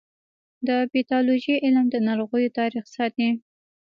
د پیتالوژي علم د ناروغیو تاریخ ساتي.